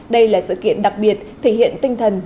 đây là sự kiện đặc biệt thể hiện tinh thần